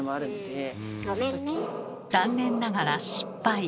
残念ながら失敗。